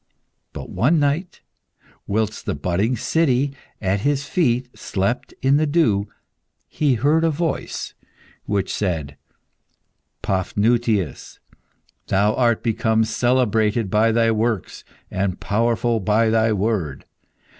But one night, whilst the budding city at his feet slept in the dew, he heard a voice, which said "Paphnutius, thou art become celebrated by thy works and powerful by thy word.